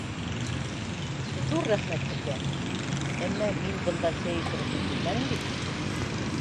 — Ҙур рәхмәт һеҙгә, әммә мин бында сәй эсер өсөн килмәнем бит.